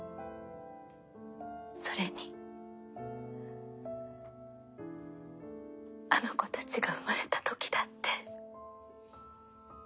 それにあの子たちが生まれた時だって。